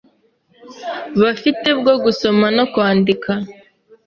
bafite bwo gusoma no kwandika